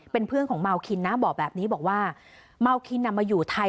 เป็นเพื่อนของเมาคินนะบอกแบบนี้บอกว่าเมาคินมาอยู่ไทย